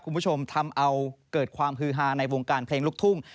คุณผู้ชมทำเอาเกิดความฮือฮาในวงการเพลงลูกทุ่ง